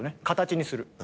形にする。